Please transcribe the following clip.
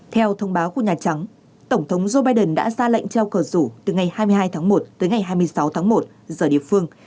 theo thông báo của nhà trắng tổng thống joe biden đã ra lệnh treo cờ rủ từ ngày hai mươi hai tháng một tới ngày hai mươi sáu tháng một giờ địa phương